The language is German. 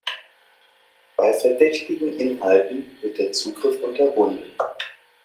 Bei verdächtigen Inhalten wird der Zugriff unterbunden.